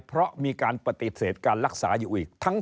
เพราะมีการปฏิเสธการรักษาอยู่อีก